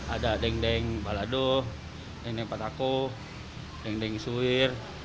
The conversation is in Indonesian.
ada dendeng balado dendeng batakok dendeng suwir